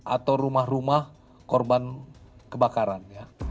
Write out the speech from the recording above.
atau rumah rumah korban kebakaran